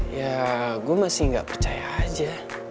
ya gue masih nggak percaya aja